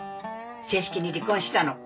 正式に離婚したの。